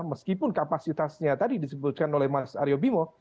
meskipun kapasitasnya tadi disebutkan oleh mas aryo bimo